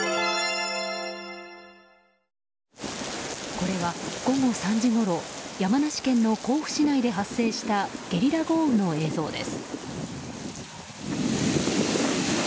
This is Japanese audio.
これは午後３時ごろ山梨県の甲府市内で発生したゲリラ豪雨の映像です。